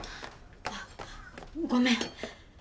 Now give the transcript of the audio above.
あっごめん。